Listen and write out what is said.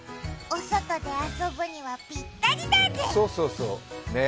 お外で遊ぶにはぴったりだね。